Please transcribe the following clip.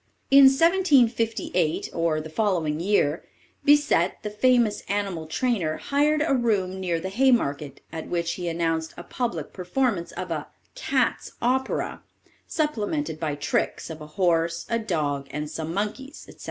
"In 1758, or the following year, Bisset, the famous animal trainer, hired a room near the Haymarket, at which he announced a public performance of a 'CATS' OPERA,' supplemented by tricks of a horse, a dog, and some monkeys, etc.